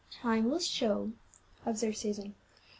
"Time will show," observed Susan.